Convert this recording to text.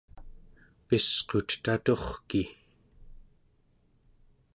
pisqutet aturki!